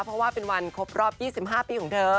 เพราะว่าเป็นวันครบรอบ๒๕ปีของเธอ